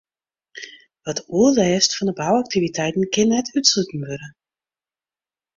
Wat oerlêst fan 'e bouaktiviteiten kin net útsletten wurde.